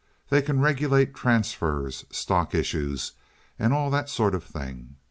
They can regulate transfers, stock issues, and all that sort of thing.